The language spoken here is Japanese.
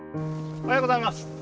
おはようございます。